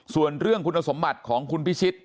ส่วนเรื่องคุณสมบัติของคุณพิชิต